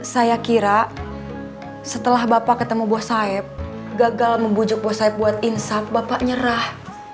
saya kira setelah bapak ketemu bos saeb gagal membujuk bos saeb buat insap bapak nyerah